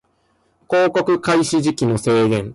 広告の開始時期の制限